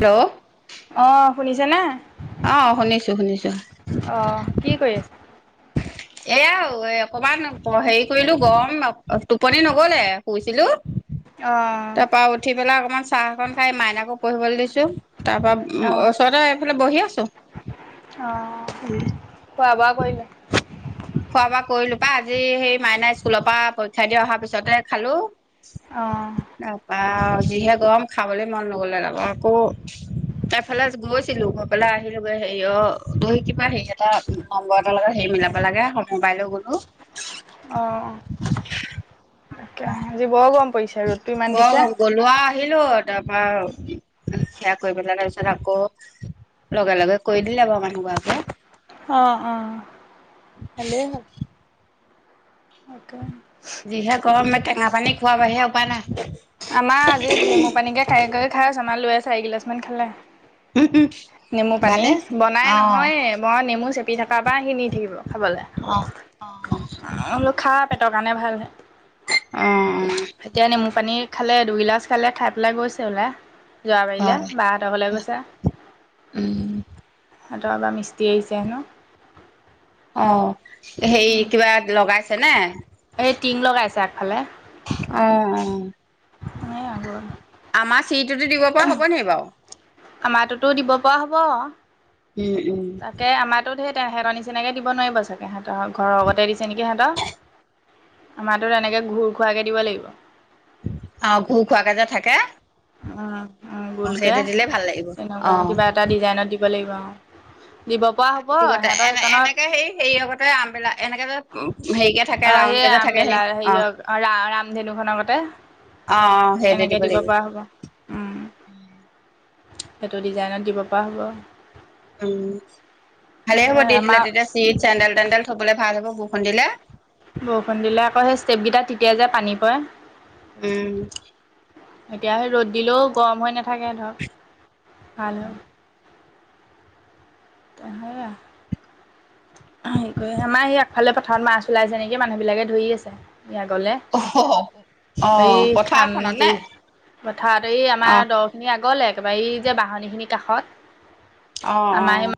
Hello. অঁ শুনিছেনে? অ শুনিছো শুনিছো অ', কি কৰি আছে? এয়া এ অকমান হেৰি কৰিলো গৰম টোপনি নগ'লে শুইছিলো। অঁ তাৰপা উঠি পেলাই অকনমান চাহ অকন খাই মাইনাকো পঢ়িবলৈ দিছো। তাৰপা ওচৰতে এইফালে বহি আছোঁ। অ', খোৱা বোৱা কৰিলে? খোৱা বোৱা কৰিলো পাই আজি সেই মাইনাই স্কুলৰ পৰা পৰীক্ষা দিয়া অহাৰ পিছতে খালো। অ'। আহ যিহে গৰম খাবলৈ মন নগ'লে আকৌ তাইফালে গৈছিলো গৈ পেলাই আহিলোগৈ হেৰি অ', তহি কিবা হেৰি এটা নম্বৰ এটাৰ লগত হেৰি মিলাব লাগে সমবাইলৈ গ'লো। অ', তাকেহে আজি বৰ গৰম। পৰিছে ৰ'দটো ইমান বৰ দিছে গৰম, গ'লো আৰু আহিলো তাৰপৰা, সেয়া কৰি পেলাই তাৰপিছত আকৌ লগে লগে কৰি দিলে বাৰু মানুহগৰাকীয়ে। অ' অ' ভালেই হ'ল। অকে যিহে গৰম, এই টেঙা পানী খোৱাৰ বাহিৰে উপায় নাই। আমাৰ আজি নেমু পানীকে খাই কৰি খাই আছ আমাৰ লৈ আছে চাৰিগিলাচ মান খালে। নেমু পানী ভালে আছে বনাই অ', নহয়ে, মই নেমু চেপ কাৰবাৰ সি নি থাকিব খাবলৈ, অ', অ', বোলো খা পেটৰ কাৰণে ভাল হে। অ', এতিয়া নেমু পানী খালে দুগিলাচ খালে খাই পেলাই গৈছে ওলায়। যোৰাবাৰিলে হয়। বাহঁতৰ ঘৰলে গৈছে। উম, সিহঁতৰ এবাৰ মিস্তি আহিছে হেনো। অ', হেৰি কিবা লগাইছে নে? এই টিং লগাইছে আগফালে অ' অ', এই গ'ল আমাৰ চিৰিটোতো দিব পোৱা হ'ব নেকি বাৰু? আমাৰোতটো দিব পৰা হ'ব। উম, উম, তাকে আমাৰটোত সেই তেহেঁতৰ নিচিনাকে দিব নোৱাৰিব চাগে, সিহঁতৰ ঘৰৰ গতে দিছে নেকি সিহঁতৰ। আমাৰটোত এনেকে ঘূৰ খুৱাকে দিব লাগিব। অ', ঘূৰ খোৱাকে যে থাকে। উম, উম অ', গোলকে, সেইটো দিলে ভাল লাগিব এনেকুৱা অ'। কিবা এটা ডিজাইনত দি ব লাগিব। দিব পৰা হ'ব ছাতিটো গতে, সিহঁতৰ সেইকণত এনে-এনেকে হেৰি হেৰিঅগতে আমবেলা এনেকে যে হেৰিকে থাকে, অ ৰাউণ্ডকে সেই যে থাকে আমবেলা সেই হেৰিঅ, অ' ৰা-ৰামধেনু খনৰ গতে। অ' অ', সেইদে তেনেকে দিব লাগিব। পৰা হ'ব উম, সেইটো ডিজাইনত দিব পৰা হ'ব। উম, ভালেই এ হ'ব দি দিলে, আমাৰ তেতিয়া চিৰিট চেণ্ডেল তেন্দেল থ'বলে ভাল হ'ব। বৰষুণ দিলে তেতিয়া যে পানী পৰে। উম। এতিয়া সেই ৰ'দ দিলেও গৰম হৈ নাথাকে ধৰক, ভাল হয়। অ', সেইয়া। হেৰি কৰি, আমাৰ সেই আগফালে পথাৰত মাছ ওলাইছে নেকি, মানুহবিলাকে ধৰি আছে। য়া গ'লে অ অ এই পথাৰখনত নে খামটি পথাৰত, এই অ আমাৰ দ খিনিৰ আগলে। একেবাৰে এই যে বাঁহনিখিনিৰ কাষত। অ' আমাৰ সেই অ'।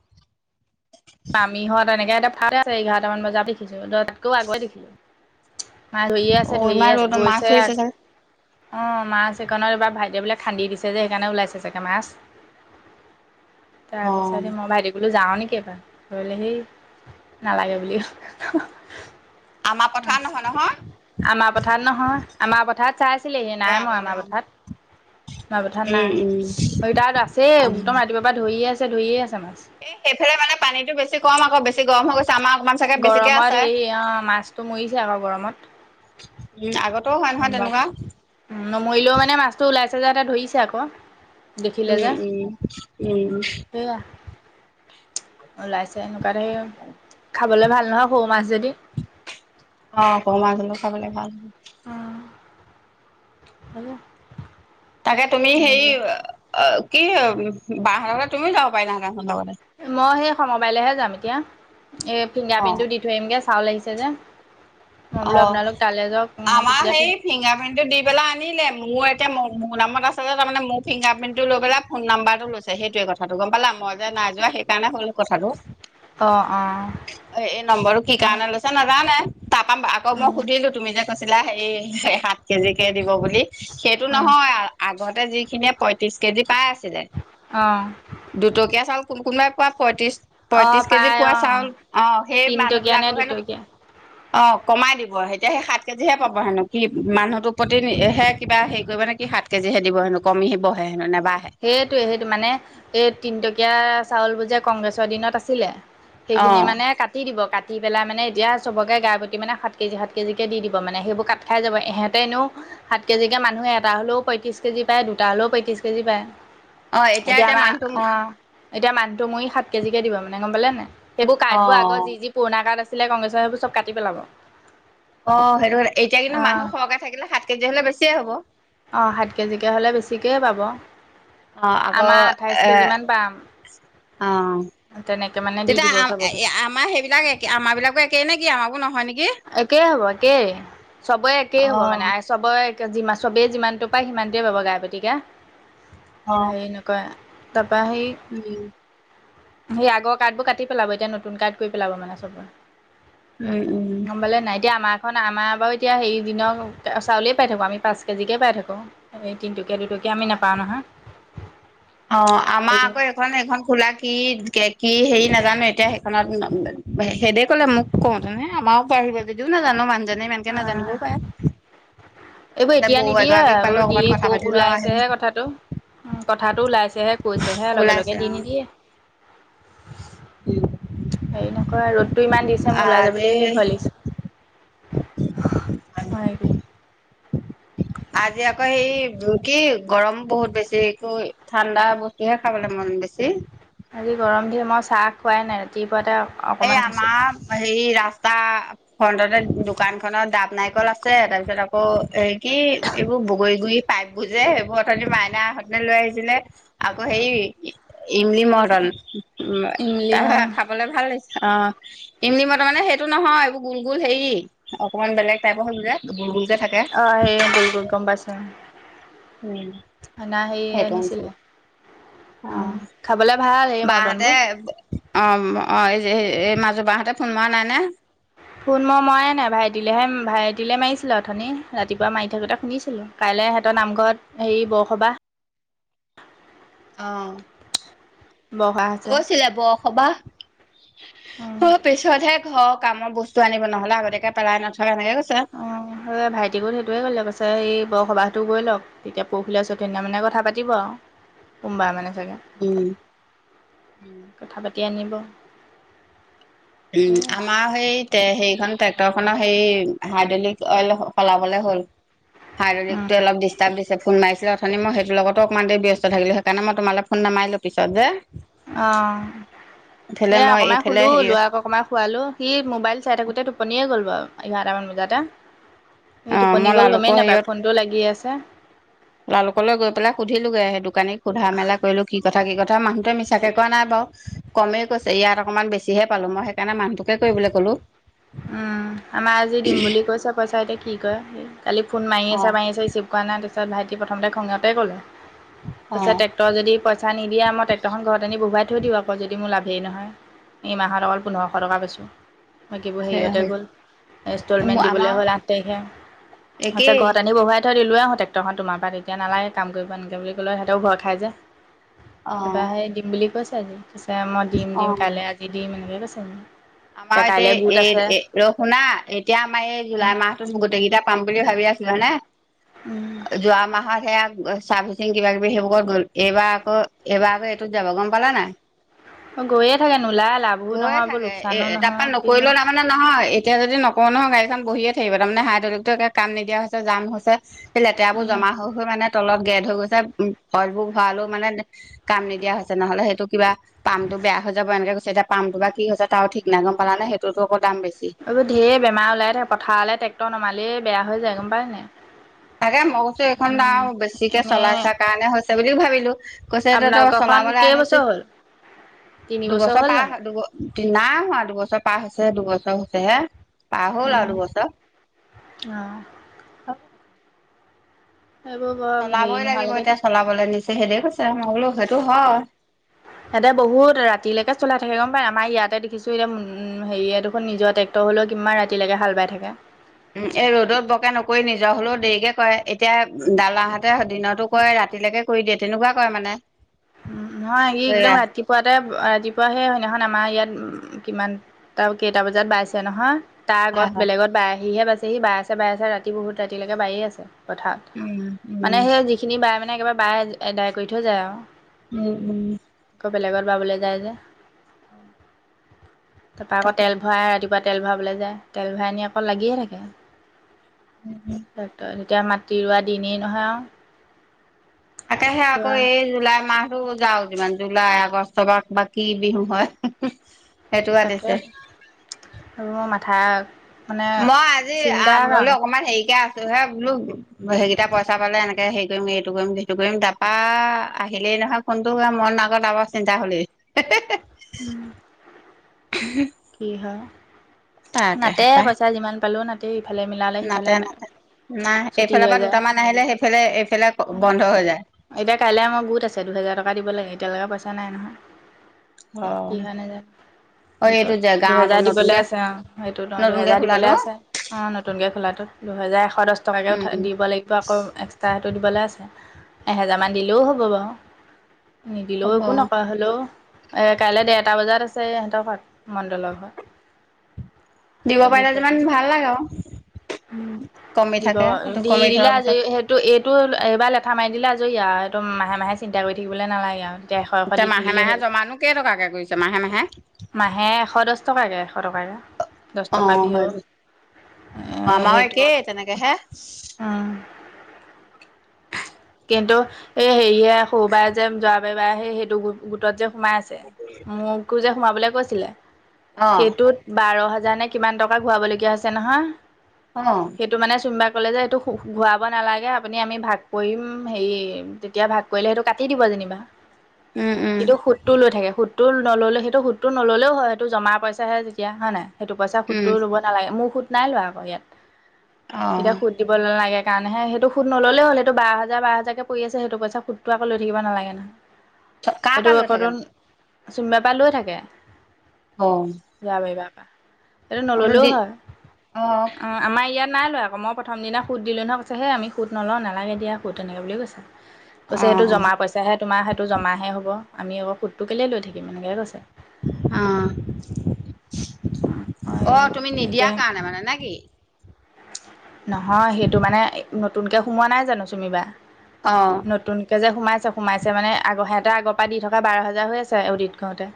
মামীহঁত, এনেকে [unintelligible] এঘাৰটা মান বজাত দেখিছোঁ, ততাতকেও আগতে দেখিছোঁ। মায়ে ধৰিয়ে অ আছে ইমান ধৰিয়ে আছে, ৰ'দত মাছ গৈছে আ ধৰিছে চাগে অ', মাছ এইকণত এইবাৰ ভাইটিয়ে বোলে খান্দি দিছে যে, সেইকাৰণে ওলাইছে চাগে মাছ। [inaudible] তাৰ পিছতে মই ভাইটিক বুলো যাৱ নেকি এপাক? কৰিলে সি, নালাগে বুলি ক আমাৰ পথাৰ নহয় নহয়। আমাৰ পথাৰত নহয়, আমাৰ পথাৰত চাইছিলেহি, নাই হয় মৰা আগলে আমাৰ অ পথাৰত। আমাৰ পথাৰত নাই, উম উম সেই তাত আছেই, অ একদম ৰাতিপুৱাৰ পৰা ধৰিয়ে আছে ধৰিয়ে আছে। মাছ এই সেইফালে মানে পানীতো বেছি কম আকৌ, বেছি গৰম হৈ গৈছে আমাৰ অকমান চাগে বেছিকে গৰমত আছে হেৰি অ', মাছটো মৰিছে আকৌ গৰমত। উম, আগত উম, নমৰিলেও মানে মাছটো ওলাইছে যে, সিহঁতে ধৰিছে আকৌ। দেখিলে উম যে উম, উম উম। সেয়া ওলাইছে সনো হেই, খাবলৈ ভাল নহয় সৌ মাছ যদি অ পমা জলক খাবলে ভাল। উম। হেলো তাকে তুমি হেৰি, অ' কি বাহঁতৰ ঘৰলে তুমিও যাব পাৰিলাহেঁতেন। মই সেই সমবায়লৈহে যাম এতিয়া। এই অ ফিংগাৰপ্ৰিণ্টটো দি থৈ আহিমগৈ, চাউল আহিছে যে। মই বোলো অ', আপোনালোক তালৈ যাওক আমাৰ তেতিয়া ফিং হেৰি ফিংগাৰপ্ৰিন্টটো দি পেলাই আনিলে, মুনুৰ এতিয়া মোৰ নামত আছে যে, তাৰমানে মোৰ ফিংগাৰপ্ৰিন্টটো লৈ পেলাই ফোন নাম্বাৰটো লৈছে, সেইটোৱে কথাটো গম পালা, মই যে নাই যোৱা। সেইকাৰণে ক'লো কথাটো, অঁ অঁ এই নম্বৰটো কি কাৰণে লৈছে নাজানে তাৰপাম আকৌ মই অঁ সুধিলোঁ, তুমি যে কৈছিলা হেৰি সাত কেজি কে দিব বুলি সেইটো নহয়, আগতে যিখিনিয়ে পয়ত্ৰিশ কেজি পাই আছে অঁ দুটকীয়া চাউল কোন কোনোবাই পোৱা পয়ত্ৰিশ অঁ পয়ত্ৰিশ কেজি পাই পোৱা অঁ চাউল অ', সেই তিনিটকীয়া নে মানুহবিলাকক হেনো দুটকীয়া অ', কমাই দিব এতিয়া সেই সাত কেজি হে পাব হেনো, কি মানুহটোৰ প্ৰতিহে কিবা হেৰি কৰিব নে কি সাত কেজি হে দিব হেনো, কমিবহে নেবা সেইটোৱে সেইটো, মানে এই তিনটকীয়া চাউলবোৰ যে কংগ্ৰেছৰ দিনত আছিলে অ সেইখিনি মানে কাটি দিব, কাট কাটি পেলাই মানে এতিয়া চবকে গাই পুত মানে সাত কেজি সাত কেজিকৈ দি দিব মানে সেইবোৰ কাট খাই যাব, ইহঁতে এনেও সাত কেজিকে মানুহ এটা হলেও পয়ত্ৰিশ কেজি পায়, দুটা হলেও পয়ত্ৰিশ কেজি পায়। এতিয়া আমাৰ, অ'। এতিয়া মানহটো মৰি সাত কেজি কে দিব মানে গম পালে নে সেইবোৰ অ কাৰ্ড বোৰ আৰ যি যি পুৰণা কাৰ্ড আছে চছিলে কংগ্ৰেছৰ সেইবোৰ চব কাটি পেলাব। অ', সেইটো এতিয়া কিন্তু অ', মানুহ সৰহকৈ থাকিলে সাত কেজি হ'লে বেছিয়ে হ'ব। অ', সাত কেজিকৈ হ'লে বেছিকৈ পাব। অ', আকৌ, আমাৰ আঠাইশ এ, কেজি মান পাম অ'। তেনেকে মানে দি তেতিয়া দিব আ, চবকে। আমাৰ সেইবিলাক একে আমাৰ বিলাকো একেই নেকি, আমাৰো নহয় নেকি? একেই হ'ব, একেই, চবেই অ একেই হ'ব মানে আই চবেই যিমান চবেই যিমানটো পায় সিমানটোৱেই পাব গাইপতিকে, অ হেৰি নকয় পাহি উম সেই আগৰ কাৰ্ডবোৰ কাটি পেলাব এতিয়া নতুন কাৰ্ড কৰি পেলাব মানে চবৰে। উম উম গম পালে নাই, এতিয়া আমাক অ', আমাৰ বাৰু এতিয়া হেৰি দিনৰ চাউলেই পাই থাকোঁ, আমি পাঁচ কেজিকে পাই থাকোঁ, এই দিনটো দুটকীয়া হয় আমি হয় নেপাওঁ নহয়। অ', আমাৰ এইবোৰ আকৌ এইখন, এইখন খোলা কি কে কে হেৰি নেজা নেজানো এতিয়া সেইখনত, সেদে ক'লে মোক কওঁ তেনে, আমাৰ বাঢ়িব যদিও নাজানো মানুহ জনে ইমানকে অ' নাজানিবও পাৰে। এইবোৰ তাতে এতিয়া বৌ নিদিয়ে এগৰাকীক পালো এইবোৰ অকমান দিয়ে কথা ক পাতিলো আৰু আহিলো ওলাইছেহে কথাটো। কথাটো ওলাইছেহে, কৈছেহে লগে ওলাইছে লগে দি নিদিয়ে। উম। হেৰি নকয় আৰু ৰ'দটো ইমান দিছে মোৰ ওলাই আজি যাবলৈ সেই ভয় লাগিছে। হয়। [inaudible] আজি আকৌ সেই কি গৰম বহুত বেছি একো ঠাণ্ডা বস্তু হে খাবলৈ মন বেছি আজি গৰম দিন মই চাহ খোৱাই নাই ৰাতিপুৱাতে এই অকণমান খাইছিলোঁ। আমাৰ হেৰি ৰাস তাৰ ফ্ৰন্টতে দোকানখনত দাব নাৰিকল আছে, তাৰ পিছত আকৌ হেই কি এইবোৰ বগৰী গুৰি পাইপ বুৰজে সেইবোৰ অথনি মাইনাহঁতে লৈ আহিছিলে আকৌ হেৰি ইম্‌লি মৰ্টন, উম ইমলি তাৰ পৰা অ' খাবলে ভাল লাগিছে। অ', ইম্‌লি মৰ্টন মানে সেইটো নহয়, এইবোৰ গুল গুল হেৰি অকমান বেলেগ টাইপৰ হৈ গল যে গুল গুল। অ', সেই গুল গুল গম পাইছো। উম [unintelligible] সেই সেইটো আনিছিলে আনিছিলো অ উম খাবলে ভাল সেই বাহঁতে মৰ্টনবোৰ অ', অ', এই এই মাজু বাহঁতে ফোন মৰা নাই নে? ফোন মই মৰা নাই ভাইটিলেহে, ভাইটিলে মাৰিছিলো অথনি ৰাতিপুৱা মাৰি থাকোঁতে শুনিছিলো। কাইলৈ সিহঁতৰ নামঘৰত হেৰি বৰসবাহ। অ'। বৰসবাহ আছে কৈছিলে বৰসবাহ, অ', পিছতহে ঘৰৰ কামৰ বস্তু আনিব ন'হলে আগতিয়াকে পেলাই ন'থব অ', সেই ভাইটিকো সেইটোয়ে কৰিলে পাছে সেই বৰসবাহতো গৈ লওক তেতিয়া পৰহিলে তেতিনা মানে কথা পাতিব আৰু সোমবাৰ মানে। উম কথা পাতি আনিব এই আমাৰ সেই তে সেইখন ট্ৰেক্টৰখনৰ সেই হাইড্ৰলিক অইল সলাবলে হ'ল। হাইড্ৰলিকটোয়ে অলপ ডিষ্টাব দিছে। পিছে ফোন মাৰিছিলে অথনি মই‌ সেইতোৰ লগতো অকণমান দেৰি ব্যস্ত থাকিলো সেইকাৰণেই তোমালে ফোন নামাৰিলো পিছত যে। অ'। ইফালে এ মই অকণমান এইফালে শুলো হেৰি ল'ৰাক অকণমান শুৱালো সি মোবাইল চাই থাকোতে টোপনিয়ে গ'ল বাৰু। এঘাৰটামান বজাতে, এই অ টোপনি মই গ'ল গমেই লালুকৰ নাপায় হেৰিয়ত ফোনটোও লাগি আছে। লালুকলৈ গৈ পেলাই সুধিলোগে সেই দোকানীক সোধা মেলা কৰিলো কি কথা কি কথা? তাৰ মানুহটোৱে মিছাকে কোৱা নাই বাৰু, কমেই কৈছে ইয়াত অকণমান বেছিহে পালো মই সেইকাৰণে মানুহটোকে কৰিবলৈ ক'লো। উম, আমাৰ আজি দিম বুলি কৈছে পইচা এতিয়া কি কৰে! কালি ফোন মাৰি অ আছে মাৰি আছে ৰিচিভ কৰা নাই তাৰপছত ভাইটি প্ৰথমতে খঙতে ক'লে। অ কৈছে ট্ৰেকটৰ যদি পইচা নিদিয়া ম‌ই ট্ৰেকটৰখন ঘৰত আনি বহুৱাই থৈ দিওঁ আকৌ যদি মোৰ লাভেই নহয়, এই মাহৰ অকল পোন্ধৰশ টকা পাইছোঁ। বাকিবোৰ সেয়া হেৰিয়তে হৈ গ'ল, ইনষ্টলমেণ্ট আমাৰ দিবলৈ হ'ল আঠ তাৰিখে, সচা [unintelligible] একেই ঘৰত আনি বহুৱাই থৈ দিলোঁ টেক্টৰখন তোমাৰ পৰা তেতিয়া নালাগে কাম কৰিব এনেকে বুলি ক'লে সিহঁতেও ভয় খাই যে। অ কিবা সেই দিম বুলি কৈছে আজি পিছে মই দিম অ দিম কাইলৈ আজি দিম এনেকে কৈছে। আমাৰ এতিয়া কাইলৈ গোট এ আছে, এ ৰ শুনা এতিয়া আমাৰ এই জুলাই মাহটোত গোটেইকেইটা পাম বুলি ভাবি আছিলো উম। হয়নে যোৱা মাহত সেয়া চাৰ্ভিচিং কিবা কিবি সেইবোৰত গ'ল এইবাৰ আকৌ এইবাৰ আকৌ এইটোত যাব গম পালা নাই। গৈয়ে থাকে নোলাই লাভো গৈয়ে নহয় বোৰ থাকে লোকচান এ টাৰ পা নকৰিলেও তাৰমানে নহয় এতিয়া যদি নকৰো নহয় গাড়ীখন বহিয়ে থাকিব, তাৰমানে হাইড্ৰলিকতো কাম নিদিয়া হৈছে জাম হৈছে। লেতেৰাবোৰ উম জমা হৈ হৈ মানে তলত গেদ হৈ গৈছে অইলবোৰ ভৰালেও মানে কাম নিদিয়া হৈছে নহ'লে সেইটো কিবা পামটো ত বেয়া হৈ যাব এনেকেছে এতিয়া পামটো বা কি হৈছে তাৰো ঠিক নাই গম পালানে সেইটোতো আকৌ দাম বেছি এইবোৰঢেৰ বেমাৰ ওলাই থাকে পথাৰলৈ ট্ৰেক্টৰ নমালেই বেয়া হৈ যায় গম পায় নাই। তাকে মই কৈছো এইখন উম দাও বেছিকে এনে চলাইচা কাৰণে হৈছে বুলিও ভাবিলো। কৈছে ত তই আপোনালোকৰখন চলাবলৈ আনিছো কেইবছৰ হ'ল তিনি বছৰ দুবছৰ হ'ল পাৰ জানো দুব, নাই হোৱা দুবছৰ পাৰ হৈছে দুবছৰ। হৈছে হে পাৰ হ'ল উম আৰু দুবছৰ অ কথা এইবোৰ বৰ হেৰি চলাবই লাগিব নোহোৱালৈকে এতিয়া চলাবলৈ নিছে সেইদে কৈছে মই বোলো সেইটো হয় [inaudible] ইয়াতে বহুত ৰাতিলৈকে চলাই থাকে গম পায় আমাৰ ইয়াতে দেখছো এতিয়া হেৰিয়ে দেখোন নিজৰ ট্ৰেক্টৰ হ'লেও কিমান ৰাতিলৈকে হাল বাই থাকে। উম এই ৰ'দত বকে নকৰি নিজৰ হ'লেও দেৰিকে কৰে এতিয়া দাদাহঁতে দিনতো কৰে ৰাতিও ৰাতিলৈকে কৰি দিয়ে তেনেকুৱা কৰে মানে। উ নহয় ইি একদম সেয়া ৰাতিপুৱাতেই ৰাতিপুৱা সেইদিনাখন আমাৰ ইয়াত কিমানটা কেইটা বজাত বাইছে নহয়। তাৰ হয় আগত হয় বেলেগত বাই আহিহে বাইচেহি, বাই আছে বাই আছে ৰাতি বহুত ৰাতিলৈকে বায়ে আছে। পথাৰত, উম উম মানে সেই যিখিনি বাই মানে একেবাৰে বায় আদায় কৰি থৈ যায় আৰু। উম উম। আকৌ বেলেগত বাবলৈ যায় যে। অম [unintelligible] তাৰপা আকৌ তেল ভৰাই ৰাতিপুৱা তেল ভৰাবলৈ যায় তেল ভৰাই আনি আকৌ লাগিয়ে থাকে। এতিয়া মাটি ৰোৱা দিনেই নহয় আৰু। তাকেহে আকৌ ৰোৱা এই জুলাই মাহ আৰু যাওঁ যিমান জুলাই আগষ্টত বা কি বিহু হয়। সেইটো তাকে, পাতিছে আৰু মাথা মানে মই আজি আ চিন্তাৰ মই বুলো কাৰণ অকনমান হেৰিকে আছ ছোহে বোলো সেইকেইটা পইচা পালে এনেকে হেৰি কৰিম, এইটো কৰিম সেইটো কৰিম তাৰাপৰা আহিলেই নহয় ফোনটো, মন আগত-আগত চিন্তা হ'লেই। উম। কি হয়। তাকেহে নাতে,, পাই পইচা যিমান পালেও নাতেই, ইফালে মিলালে নাতে সিফালে নাই। নাতে নাই, এইফালৰ পৰা দুটামান আহিলে সেইফালে-এইফালে বন্ধ হৈ যায়। এতিয়া কাইলৈ আমাৰ গোট আছে, দুহেজাৰ টকা দিব লাগে, এতিয়ালৈকে পইচা নাই নহয়। অ', কি হয় নাজানো অ' গোটত এইটো জাগ দুহেজাৰ দিবলৈ আছে অ', সেইটোত অ' দুহেজাৰ দিবলৈ খোলাটো আছে, অ' নতুনকৈ খোলাটোত, দুহেজাৰ এশ দছ টাকাকে উম দিব লাগিব, আকৌ এক্সট্ৰা টো দিবলে আছে, এহেজাৰ মান দিলেও হ'ব বাৰু। নিদিলেও হ'ব একো নকয়, হ'লেও এ কাইলৈ ডেৰটা বজাত আছে ইহঁতৰ ঘৰত। মণ্ডলৰ ঘৰত। দিব পাৰিলে যিমান ভাল লাগে আৰু। উম, কমি দিব, থাকে সেইটো দি কমি দিলে থোৱাৰ আজৰি পিছত সেইটো এই টো, এইবাৰ লেঠা মাৰি দিলে আজৰি আৰু এইটো মাহে মাহে চিন্তা কৰি থাকিবলৈ নালাগে আৰু। তেতিয়া এশ এশ এতিয়া দি মাহে থাকিলেই মাহে হ'ল জমানো কেইটকাকে কৰিছে, মাহে মাহে। মাহে এশ দছ টকাকে, এশ টকাকে দছ টকা ভি অ'। মামাও একেই, তেনেকেহে। উম কিন্তু, এই হেৰিয়ে সৰুবায়ে যে জৰাবাৰী বায়ে সেই-সেইটো গোট-গোটত যে সোমাই আছে, মোকো যে সোমাবলৈ কৈছিলে, অ সেইটোত বাৰ হাজাৰ নে কিমান টকা ঘূৰাবলগীয়া আছে নহয়, অ', উম, সেইটো মানে চুম বা ক'লে যে এইটো ঘূৰাব নালাগে আপুনি, আমি ভাগ কৰিম হেৰি, তেতিয়া ভাগ কৰিলে সেইটো কাটি দিব যেনিবা, উম, কিন্তু সুদটো লৈ থাকে, সুদ সুদটো নল'লে সেইটো সুদটো নল'লেও হয়, সেইটো জমা পইচাহে তেতিয়া, হয় নাই। সেইটো পইচা উম, সুদটোও ল'ব নালাগে, মোৰ সুদ নাই লোৱা আকৌ ইয়াত, এতিয়া অ', সুদ দিব নালাগে কাৰণেহে, সেইটো সুদ নল'লেই হ'ল, সেইটো বাৰ হাজাৰ বাৰ হাজাৰকে পৰি আছে, সেইটো পইচা সুদটো আকৌ লৈ থাকিব নালাগে নহয়। কাৰ সেইটো পৰা লৈ থাকে? আকৌতোন চুমি বাইৰ পৰা লৈ থাকে। অ', জৰাবাৰী বাৰ পৰা, এইটো আৰু নল'লেও দি হয়, অ' আমাৰ ইয়াত নাই লোৱা আকৌ, মই প্ৰথম দিনা সুদ দিলো নহয়, মোক কৈছে হেই আমি সুদ নলওঁ নালাগে দিয়া সুদ, এনেকে বুলি কৈছে। কৈছে সেইটো অ', জমা পইচাহে তোমাৰ সেইটো জমাহে হ'ব। আমি আকৌ সুদটো কেলেই লৈ থাকিম, এনেকে কৈছে। অ'। হয় অ', তুমি নিদিয়াৰ এতিয়া কাৰণে মানে, নে কি? নহয়, সেইটো মানে নতুনকে সোমোৱা নাই জানো চুমিবা। অ', নতুনকে যে সোমাই সোমাইছে মানে, আগৰ সিহঁতে আগৰ পৰা দি থকা বাৰ হাজাৰ হৈ আছে অ'দিত কৰোঁতে।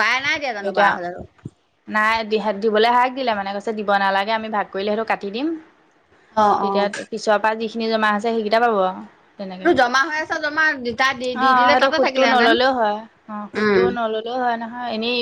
বায়ে নাইদিয়া জানো এতিয়া বাৰ হাজাৰটো। নাই দি দিবলৈ হাক দিলে মানে কৈছে দিব নালাগে আমি ভাগ কৰিলে সেইটো কাটি দিম অ', তেতিয়া অ', পিছৰ পৰা যিখিনি জমা আছে সেইকেইটা পাব আও। তেনেকে এইটো জমা হৈ আছে জমা তাই দি দি অ', দিলে সেইটো তাতে সুতটো থাকিলেহেঁতেন, নললেও হয় অ', সুতটো উম। নললেও হয় নহয়। এনেই